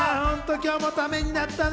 今日もためになったね。